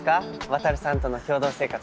渉さんとの共同生活。